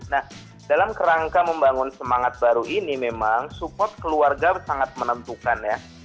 nah dalam kerangka membangun semangat baru ini memang support keluarga sangat menentukan ya